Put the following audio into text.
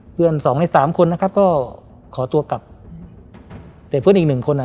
สองในสามคนนะครับก็ขอตัวกลับแต่เพื่อนอีกหนึ่งคนอ่ะ